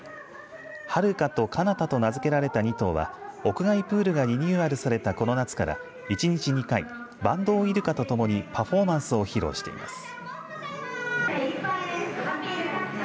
ハルカとカナタと名付けられた２頭は屋外プールがリニューアルされたこの夏から一日２回、バンドウイルカと共にパフォーマンスを披露しています。